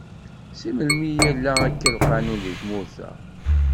Si melmi yella akka lqanun di tmurt-a?